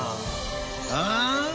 ああ？